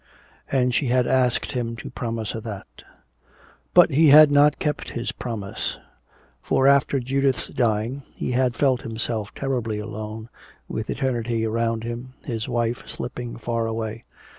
And she had asked him to promise her that. But he had not kept his promise. For after Judith's dying he had felt himself terribly alone, with eternity around him, his wife slipping far away.